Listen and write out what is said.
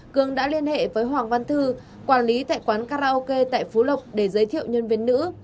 cường đã liên hệ với hoàng văn thư quản lý tại quán karaoke tại phú lộc để giới thiệu nhân viên nữ